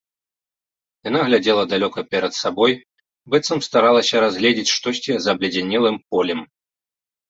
Яна глядзела далёка перад сабой, быццам старалася разгледзець штосьці за абледзянелым полем.